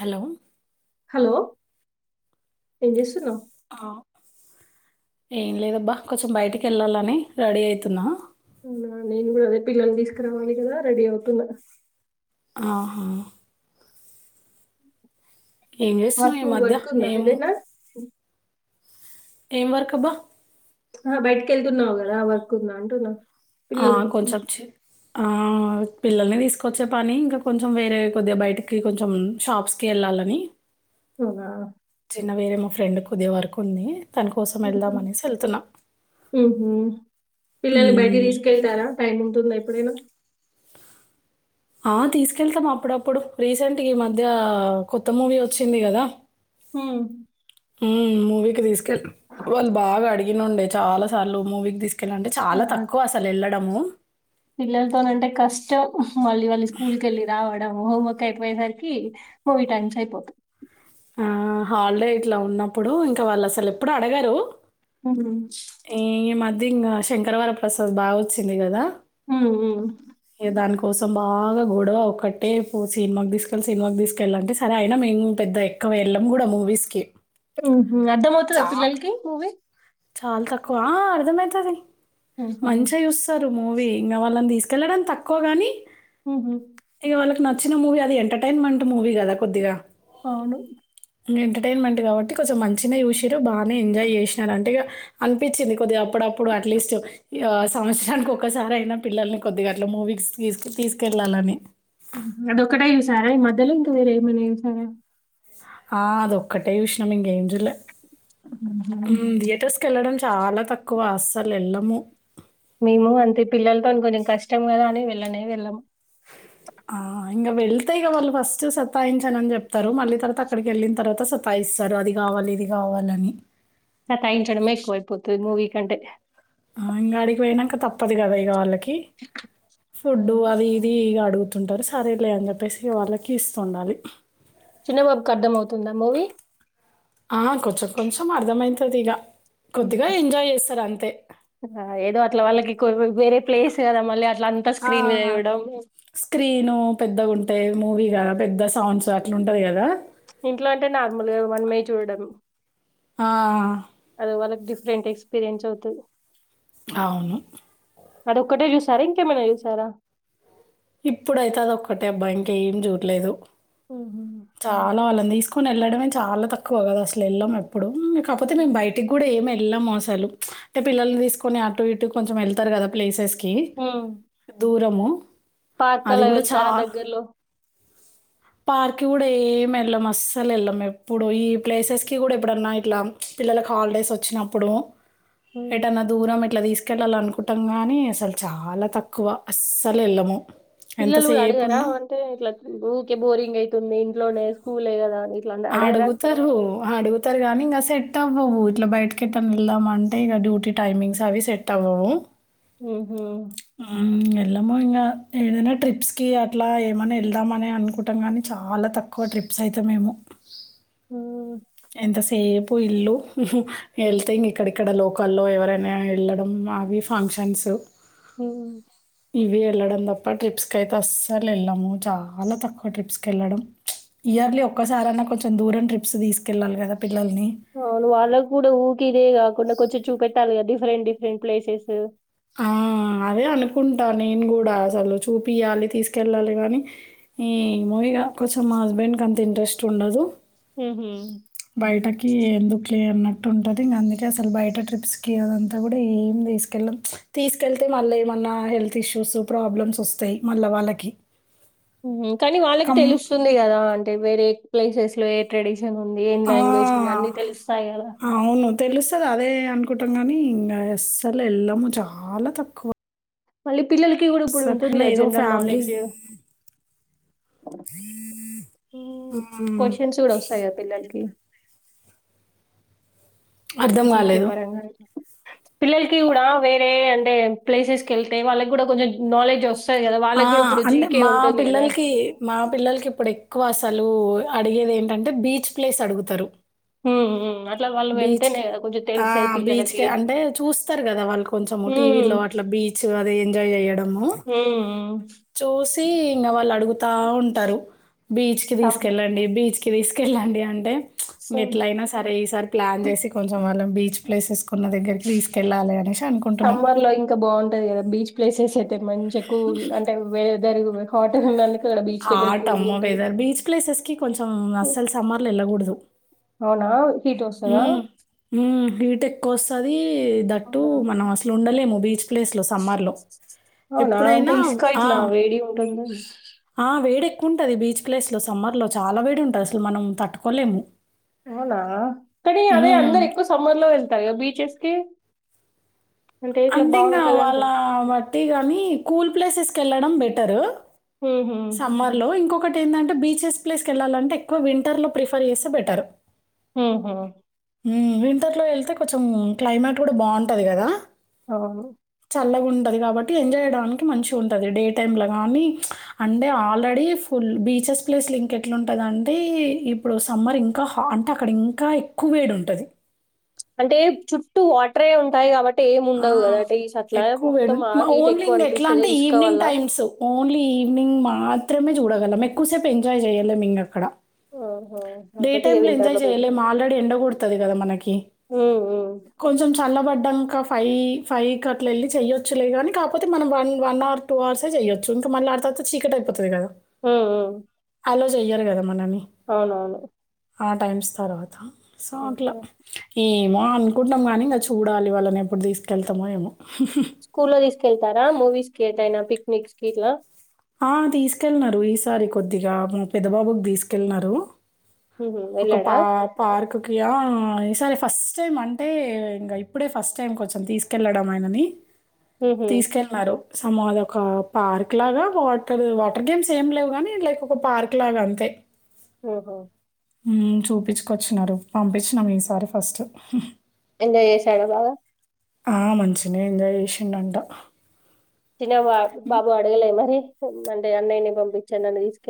Hello hello ఏం చేస్తున్నవ్ ఆ ఏం లేదబ్బా కొంచెం బయటికి వెళ్ళాలని రెడీ అవుతున్నా అవునా నేను కూడా అదే పిల్లలు తీసుకురావాలి కదా రెడీ అవుతున్నా ఆహా ఏం చేస్తున్నావు ఈ మాకు మధ్య వర్క్ ఉందా ఏం ఏదైనా ఏం వర్క్ బ్బా ఆ బయటికి వెళ్తున్నావు్ కదా వర్క్కుంద అంటున్నా ఆ పిల్లల కోసం కొంచెం ఆ పిల్లలు తీసుకొచ్చే పని ఇంకా కొంచెం వేరే కొద్దిగా బయటికి కొంచెం షాప్స్ కి వెళ్ళాలని అవునా చిన్న వేరే మా ఫ్రెండ్ కుదిే వరకు ఉంది దాని కోసం ఉహు. వెళ్దామనేసి వెళ్తున్నాం ఉహు. పిల్లల్ని బయటకి తీసుకెళ్తారా టైమ్ ఉంటుందా ఎప్పుడైనా ఆ తీసుకెళ్తాం అప్పుడప్పుడు రీసెంట్ ఈ మధ్య కొత్త మూవీ వచ్చింది కదా హ తీసుకెళ్లి వాళ్ళు బాగా అడిగినండే చాలా సార్లు మూవీకి తీసుకెళ్ళ అంటే చాలా ఆహా, తక్కువ అసలు ఎళ్ళ ఆమ్మో పిల్లలతోనంటే కష్టం మళ్ళీ వాళ్ళ స్కూల్కి వెళ్ళి రావాల హోమ్వర్క్ అయిపోయేసరికి హోవి టన్ంచి అయిపోతాం ఆ హాలిడే ఇట్లా ఉన్నప్పుడు ఇంకా వాళ్ళు అసలు ఎప్పుడు అడగరు హ అది ఇంకా శంకరవర ప్రసాద్ బాగా వచ్చింది కదా హ కోసం బాగా గొడవ ఒక్కటే సినిమాకి తీసుకెళ్ళి సినిమాకి తీసుకెళ్ళాలంటే సరే అయినా మేము పెద్ద ఎ ఇక్కవేళ్ళం కూడా మూవీస్కి అర్థం అవుతుందా పిల్లలకి మూవీ చాలా తక్కువ అర్ధమ అైతది మంచిగా చూస్తారు మూవీ ఇంక వాళ్ళని తీసుకెళ్లడం తక్కువగాని ఇక వాళ్ళకి న నచ్చిన మూవీ అది ఎంటర్న్మెంట్ మూవీ కదా కొద్దిగా అవును ఇ ఎంటర్టైన్మెంట్ కాబట్టి కొంచెం మంచిిన చూసిారు బానే ఎంజాయ్ చేసినార గా అనిపించింది కొద్దిగా అప్పుడప్పుడు అట్లీస్ట్ సంవత్సరానికి ఒకక్కసారి అయినా పిల్లల్ని కొద్దిగా అట్లా మూవీస్ తీసు తీసుకెళ్ళాలని అదొక్కటే జూసారా ఈ మధ్యలో ఇంకా వేరే ఏమన సారా ఆ అద ఒక్కటే చూసినాం ఇంకేం చూల్లే హుహు. థియేటర్స్ క వెళ్ళడం చాలా తక్కువ అస్సలు వెళ్ళము మేము అంతే పిల్లలతో అని కొంచెం కష్టం కదా అని వెళ్ళనే వెళ్ళాము ఆ ఇంకా వెళ్తే ఇ వాళ్ళు ఫస్ట్ సతాయించా అని చెప్తారు మళ్ళీ తర్వాత అక్కడికి వెళ్ళిన తర్వాత సతాయిస్తారు అదిగా కావాల ఇది కావాలని స అించనమే పోయిపోతు మూవీ కంటే ఆ ఇంకా అడికి పోయినాక తప్పదు కదా ఇక వాళ్ళకి ఫుడ్ అవును. అది ఇది ఇ అడుగు పతుంటారు సరేలే అని చెప్పేసి వాళ్ళకి ఇస్తుండాలి చిన్నబాబుకి అర్థం అవుతుందా మూవీ ఆ కొంచెం కొంచెం అర్థమైతుది ఇక కొద్దిగా హుహు. ఎంజాయ్ చేస్తారు అంతే ఆ! ఏదో అట్లా వాళ్ళకి వేరే ప్లేస్ కద మళ ఆ స్క్రీను పెద్దగుంటే మూవీ కదా పెద్ద సాంగ్స్ అట్లా ఉంటాది కదా ఇంట్లో అంటే నార్మల్గా మనమే చూడడం ఆ ఫరెట్ ఎక్స్పీరియన్స్ అవును అడ ఒక్కటే చ్యూసారా ఇంకెమనా చూసారా ఇప్పుడైతే అద ఒక్కటే అబ్బాయి ఇంక ఏం చూడలేదు ఉహ చాలా వాళ్ళని తీసుకొని వెళ్ళడమే చాలా తక్కువ కదా అసలు వెళ్ళం ఎప్పుడు కాకతే హ్మ్. మేము బయటికి కూడా ఏమై వేలం అసలు పిల్లని తీసుకొని అటు ఇటు వెళ్తరుకద్ ప్లేసెస్ కి దూరము పార్క్లా వెళ్తారా దగ్గర్లో పార్క్ కూడా ఏం వెళ్ళం అస్సలు వెళ్ళం ఎప్పుడు ఈ ప్లేసెస్ కి కూడా ఎప్పుడన్నా ఇట్లా పిల్లలకి హాలిడే వచ్చినప్పుడు హ్మ్. ఏటన్నా దూరం పెట్ ఇట్లా తీసుకెళ్ళాల అనుకుంటాం కాగానీ అసలు చాలా తక్కువ అస్సలు ఎళ్ళము పిల్లలు కూడా అడిగారా అంటే ఇట్లా ఊకే బోరింగ్ అయితుంది ఇంట్లోనే స్కూలే కదా ఇట్లా అంటే అడగరా అడుగుతారు అడుగుతారుగానింస ఎ సెట్ అవ్వవు ఇట్లా బయటకిెట్ట వెళ్దామ అంటే ఇక డ్యూటీ టైమింగ్స్ అవి సెట్ అవ్వవు హ ఏమో ఇంకా ఏదైనా ట్రిప్స్ కి అట్లా ఏమైనా వెళ్దామని అనుకుంటాం కానీ చాలా తక్కువ ట్రిప్స్ సైత మేము ఉమ్, ఎంతసేపు ఇల్లు వెళ్తే ఇం ఇక్కడిక్కడ లోకల్లో ఎవరైనా వెళ్ళడం మావి ఫంక్షన్స్ హ ఇవి వెళ్ళడం తప్ప ట్రిప్స్కి అయితే అస్సలు వెళ్ళాము చాలా తక్కువ ట్రిప్స్కి వెళ్ళడం ఇయర్లీ ఒక్కసారైనా కొంచెం దూరం ట్రిప్స్ తీసుకెళ్ళాలి కదా అవును వాళ్ళకు కూడా ఊరికి ఇదే కాకుండా కొంచెం చూపెట్టాలి కదా డిఫరెంట్ డిఫరెంట్ ప్లేసెస్ ఆ అదే అనుకుంటా నేను కూడా అసలు చూపియాలి తీసుకెళ్ళాలి కానీ ఈ మూవీగా కొంచెం మా హస్బెండ్ క అంత ఇంట్రెస్ట్ ఉండదు ఉహు. బయటకి ఎందుకు లే అన్నట్టు ట్ ఉంటది ఇంకా అందుకే అసలు బయట ట్రిప్స్ కి అదంతా కూడా ఏం తీసుకెళ్ళం తీసుకెళ్తే మళ్ళీ ఏమన్నా హెల్త్ ఇష్యూస్ ప్రాబ్లమ్స్ వస్తాయి మళ్ళా వాళ్ళకి కానీ వాళ్ళకి కం తెలుస్తుంది కదా అంటే వేరే ప్లేసెస్ లో ఏ ట్రెడిషన్ ంది ఏ ఆ! లాంగ్వేజ్ ఉంది అన్ని తెలుస్తాయి కదా తెలుస్తుంది అదే అనుకుంటాం కానీ ఇంకా ఎస్సల్ వెళ్ళము చాలా తక్కువ మళ్ళీ పిల్లలకి కూడా ఇప్పుడు అస్సలు. ఉంటుంది అన్న ఏదో జనరల్ ఫ్యామిలీస్ నాలెడ్జ్ హ్మ్. క్వశ్చన్స్ కూడా వస్తాయాయా పిల్లలకి అర్థం జీక గాలేదు. పంగా పిల్లలకి కూడా వేరే అంటే ప్లేసెస్కి వెళ్తే వాళ్ళకి కూడా కొంచెం నాలెడ్జ్ వస్తుంది ఆ అంటే మా పిల్లలకి మా పిల్లలకి ఇప్పుడు ఎక్కువ వ అసలు అడిగేది ఏంటంటే బీచ్ ప్లేస్ అడుగుతారు హ అ బీచ్ క ఆ బీచ్ పిల్లలకి. క అంటే చూస్తారు కదా వాళ్ళు కొంచెం టీవీలో హ్మ్. అట్లా బీ బీచ్ అది ఎంజాయ్ చేయడము హ్మ్. హ్మ్. చూసి ఇంకా వాళ్ళు అడుగుతా ఉంటారు బీచ్ కి సమ్ తీసుకెళ్ళండి బీచ్ కి తీసుకెళ్ళండి అంటే ఇంక సమ్ ఎట్ల అయినా సరే ఈసారి ప్లాన్ చేసి కొంచెం వాళ్ళ బీచ్ ప్లేసెస్కున్న దగ్గరికి తీసుకెళ్ళాలె అని సమ్మర్లో ఇంక బాగుంటది కదా బీచ్ ప్లేసెస్ అయితే మంచిగ ఎక్కువ అంటే వే జరిగిబోయ్ హోటర్ హాటమ్మో వెదర్ బీచ్ ప్లేసెస్ కి కొంచం అస్సలు సమ్మర్లో వెళ్ళకూడదు అవున ఉమ్ మ్ హీట్ ఎక్కువ వస్తాది దట్టు అవునా? మనం అసలు ఉండలేము బీచ్ ప్లేస్లో సమ్మర్లో అవునా? అంటే ఎప్పుడైనా ఇసుక ఆ ఇట్లా వేడిగుంటుందా? ఆ వేడె క్కుంటది బీచ్ ప్లేస్ లో సమ్మర్ లో చాలా వేడి ఉంటుంది అసలు మనం తట్టుకోలేము అవునా కానీ అదే హ్మ్. అందరు ఎక్కువ సమ్మర్ లో వెళ్తార్ కదా బీచెస్ కి అంతే ఇంక వాళ్ళ బాగుంటదంటారు బట్టి కానీ కూల్ ప్లేసెస్కి వెళ్ళడం బెటర్ ఉహు. సమ్మర్లో ఇంకొ ఒకటి ఏందంటె బీచెస్ ప్లేస్కి వెళ్ళాలంటే ఎక్కువ వింటర్ లో ప్రిఫర్ చేస్తే బెటర్ ఊహు వింటర్లో వెళ్తే కొంచం క్లైమేట్ కూడ బాగుంటది కదా ఓహో చల్లగా ఉంటది కాబట్టి ఎంజాయ్యడానికి మంచిగా ఉంటుంది డే టైమ్ లో కానీ అంటే ఆల్రెడీ ఫుల్ బీచెస్ ప్లేస్లో ఇంకెట్లుంటది అంటే ఇప్పుడు సమ్మర్ ఇంకా హాట్ అంటే అక్కడ ఇంకా ఎక్కువ వేడి ఉంటది అంటే చుట్టూ వాట్రే ఉంటాయి కాబట్టి అంటే ఏం ఆ! ఉండవు కదా అంటే ఈస్ అట్లా ఎక్కువ వేడి మొత్తం మ ఆగ ఇటు ఓన్లీ ఎక్కువ ఇంగ ఎట్లా అనిపిస్తుంది అంటే ఈవినింగ్ ఇసుకవల్ల టైమ్స్, ఓన్లీ ఈవినింగ్ మాత్రమే చూడగలం ఎక్కువసేపు ఎంజాయ్ చేయాలేము ఇంక అక్కడ ఆహా! డే కాబట్టి ఇగ టైమ్లో ఎంజాయ్ వింటర్‌లో బెటర్. చేయలేము ఆల్రెడీ ఎండ కొడతది కదా మనకి హ్మ్. హ్మ్. కొంచం చల్ల పడ్ ఫైవ్ ఫైవ్ కట్ల వెళ్ళి చెయ్యచ్చులే కానీ కాకపోతే మనం వన్ వన్ అవర్ టూ అవర్సే చేయొచ్చు ఇంకా మళ్ళీ అర్ మొత్తం చీకటయిపోతది కదా హు ఉ అలో చెయ్యారు కదా మనల్ని అవునవును ఆ టైమ్స్ తర్వాత సో అట్ల ఆహా! ఏమో అనుకుంటాం కానీ ఇంకా చూడాలి వాళ్ళ న ఎప్పుడు తీస్కెళ్తమో ఏమో స్కూల్లో తీసుకెళ్తారా మూవీస్ కి ఎటయినా పిక్నిక్స్ కి ఇట్లా ఆ తీసుకెళ్నారు ఈసారి కొద్దిగా మా పెద్ద బాబుక్ తీసుకెళ్ళనారు హుహు. ఒక వెళ్ళాడా? పా పార్క్ కియా ఈసారిే ఫస్ట్ టైం అంటే ఇంకా ఇప్పుడే ఫస్ట్ టైం కొంచెం తీసుకెళ్ళడం ఆయనని హుహు. తీసుకెళ్ళినారు సము అదొక పార్క్ లాగా వాటర్ వాటర్ గేమ్స్ ఏం లేవు కాని లైక్ ఒక పార్క్ లాగ అంతే ఓహో ఉమ్ చూపిచ్కొచ్చినారు పంపించినాం ఈసారి ఫస్ట్ ఎంజాయ్ చేసాడ బాగ ఆ మంచినే ఎంజాయ్ చేసిండంట తిన బాబు అడగలే మరి అంటే అన్నయ్యని పంపిచ్చార్ నన్ను తీసుకు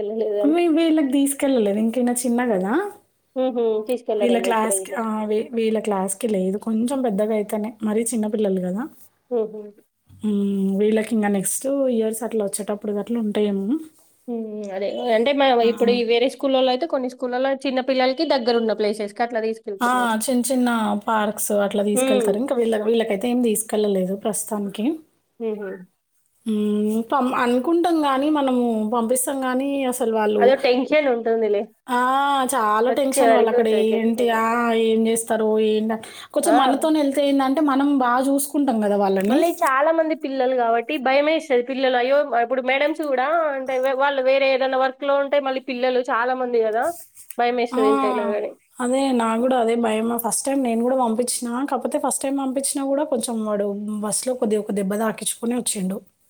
మేబి ఈల్లక్ తీసుకెల్ల లేద్ ఇంక ఈయన చిన్న గదా హుహు. వీళ్ళ తీసుకెళ్లరేమో ఇప్పుడే క్లాస్క ఆ వీళ్ళకి. వీళ్ళ క్లాస్ కి లేదు కొంచం పెద్దగా అయితేనే మరీ చిన్నపిల్లలు కదా హు ఉ వీళ్ళకి ఇంకా నెక్స్ట్ ఇయర్స్ అట్ల వచ్చేటప్పుడు అట్లా ఉంటాయేమో అదే అంటే మ ఇప్పుడు హ్మ్. ఈ వేరే స్కూల్లో అయితే కొన్నిూ స్కూలలో చిన్న పిల్లలకి దగ్గర ఉన్న ప్లేసెస్ కి అట్లా ఆ తీసుకెళ్తున్నారు. చిన్న చిన్న పార్క్స్ అట్ల హ్మ్ తీసుకెళ్తారు ఇంకా వీళ్ళ వీళ్ళకయితే ఏమి తీసుకెళ్లలేదు ప్రస్తుతం తనికిే హుహు పం అనుకుంటాం గాని మనము పంపిస్తాం నీ అద టెన్షన్ ఉంటుందిలి ఆ చాలా టెన్షన్ వాళ్ళు అక్కడ ఏంటి టెన్షన్. ఆ ఏం చేస్తారు ఏంటి కొంచెం ఆ మనతోనే వెళ్తేయిందంటే మనం బాగా చూసుకుంట మళ్ళీ చాలా మంది పిల్లలు కాబట్టి భయమే పిల్లలు అయ్యో ఇప్పుడు మేడమ్స్ కూడా అంటే వాళ్ళు వేరే ఏదైనా వర్క్ లో ఉంటే మళ్ళీ పిల్లలు చాలా మంది ఉంది కదా ఆ భయమేస్తది ఎంతైనా గాని. అదే నా కూడా అదే భయమా ఫస్ట్ టైం నేను కూడా పంపించి కాకపోతే ఫస్ట్ టైం పంపించినా కూడా కొంచెం వాడు బస్ లో కొది ఒక దెబ్బ తాకించుకుని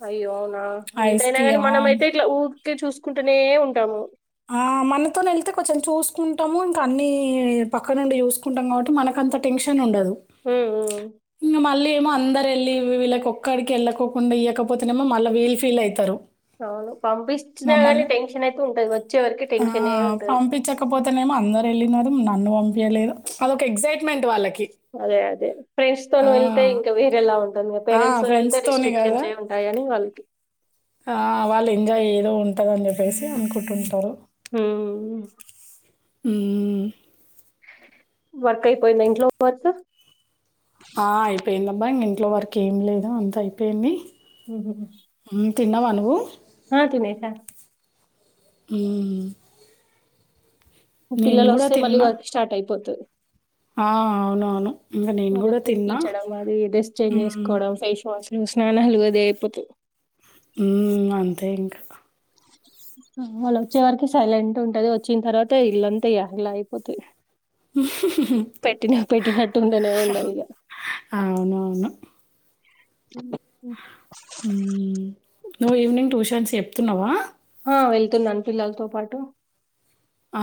అయ్య అవునా ఎంతైనా ని మనమ ఆ! అయితే ఇట్లా ఊరికే చూసుకుంటూనే ఉంటాము ఆ మనతో వెళ్తే తే కొంచెం చూసుకుంటాము ఇంకా అన్నిీ పక్కనుండి చూసుకుంటాం కాబట్టి మనకు అంత టెన్షన్ ఉండదు హ ఇంక మళ్ళీ ఏమో అందరు వెళ్ళలి వీళ్ళకి ఒక్కడికి వెళ్ళకోకుండా ఇయ్యకపోతేనేమో మళ్ళీ వీల్ ఫీల్ అవుతారు అవును పంపిించిన కానీ టెన్షన్ అయితే ఉంటది వ ఆ పంపించకపోతేనేమో అందరుూ వెళ్ళిన నన్ను పంపయలేదు అదొక ఎగసైట్మెంట్ వాళ్ళకి అదే అదే ఫ్రెండ్స్ తో ఆ! వెళ్తే ఇంకా వేరేలా ఉంటుంది ఆ! పేరెంట్స్ తో వెళ్తే తే ఫ్రెండ్స్‌తోని రిస్ట్రిక్షన్స్ఉంటాయ అని వాళ్ళకి వాళ్ళు ఎంజాయ్ ఏయ్యదో ఉంటుందని చెప్పేసి అనుకుంటుంటారు హ అ వర్క్ అయిపోయిందా ఇంట్లో వర్క్ ఆ అయిపోయింది అబ్బా ఇక ఇంట్లో వరకు ఏం లేదు అంత అయిపోయింది హ హ్మ్. తిన్నావా నువ్వు హా తినేస అ పిల్లలు వస్తే మళ్ళీ వర్క్ స్టార్ట్ అయిపోతుది ఆ అవునవును ఇంకా నేను కూడా వాళ్ళకి తిన్నా తినిపించడం నువ్వు స్నానం అదే అయిపోత ఉ అంతే ఇంకా వాళ్ళు వచ్చే వరకి సైలెంట్ ఉంటది వచ్చిన తర్వాత ఇల్లుంతేయ ఇలా అయిపోతాయి పెటి పెటినటు ఉంటనే ఉండదిగా అవునవును అ నువ్వు ఈవినింగ్ ట్యూషన్స్ చెప్తున్నావా ఆ వెళ్తుందను పిల్లలతో పాటు ఆ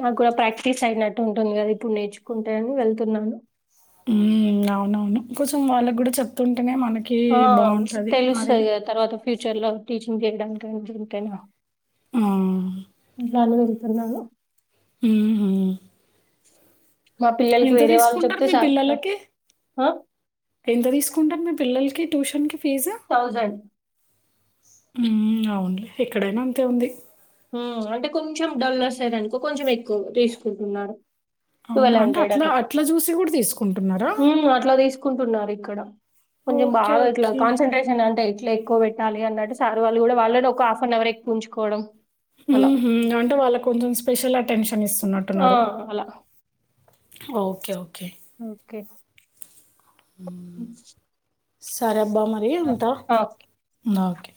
నాకు కూడా ప్రాక్టీస్ అయినట్టు ఉంటుంది కదా ఇప్పుడు నేర్చుకుంటే అని వెళ్తున్నాను ఉ అవునవును కొంచెం వాళ్ళకు కూడా చెప్తుంట వెంటనే మనకి బాగుంటది మరి ఫ్యూచర్ లో టీచింగ్ చేయడానిక దీనికైనా ఆ ఇలాళ వెళ్తున్నారు ఆ మా పిల్లలకి ఎంత వేరే వాళ్ళు తీసుకుంటారు చెప్తే మీ చాలు ఆ! పిల్లలకి ఆ! ఎంత తీసుకుంటండ్రు మీ పిల్లలకి ట్యూషన్కి థౌజండ్ ఊ అవునులే ఎక్కడైనా అంతే ఉంది అంటే కొంచెం డలర్స్ ఐరనుకో కొంచెం ఎక్కువ తీసుకుంటున్నారు అవును. ట్వల్ అంటే హండ్రెడ్ అట్లా జూసి గూడా తీసుకుంటున్నారా? ఊ అట్లా తీసుకుంటున్నారుఇంకా ఇక్కడ కొంచెం ఓకే. బాగా ఇట్లా ఓకే. కాన్సెంట్రేషన్ అంటే ఇట్లా ఎక్కువ పెట్టాలి అన్నట్టు సార్ వాళ్ళు కూడా వాళ్ళని ఒక హాఫ్ అవర్ ఎక్కు పుంచుకోవడం ఊహు అంటే వాళ్ళకు కొంచెం స్పెషల్ అటెన్షన్ ఆ! ఇస్తున్నట్టున్నారు అలా. ఓకే ఓకే ఓకే ఉ సరే అబ్బా మరి ఉంట ఓకే